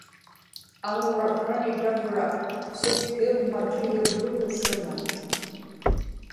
aŋuraksrani tavra sikkiummatigivlugu suna